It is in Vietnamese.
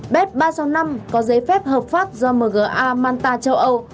bếp ba trăm sáu mươi năm có giấy phép hợp pháp do mga manta châu âu